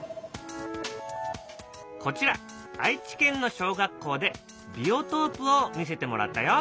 こちら愛知県の小学校でビオトープを見せてもらったよ。